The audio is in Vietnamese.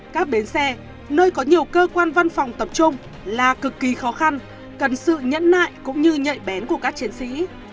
các bến xe nơi có nhiều cơ quan văn phòng tập trung là cực kỳ khó khăn cần sự nhẫn nại cũng như nhạy bén của các chiến sĩ